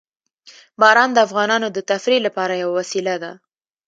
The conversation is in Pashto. باران د افغانانو د تفریح لپاره یوه وسیله ده.